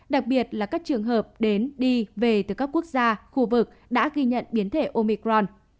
đặc biệt là các trường hợp đến đi về từ các quốc gia khu vực đã ghi nhận biến thể omicron